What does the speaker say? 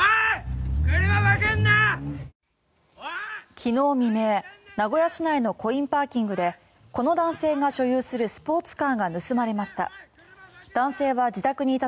昨日未明名古屋市内のコインパーキングでこの男性が所有するスポーツカーが盗まれました。